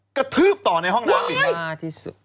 กกระทืบต่อในห้องนั้นอีก